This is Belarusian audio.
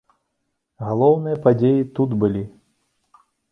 Галоўныя падзеі тут былі!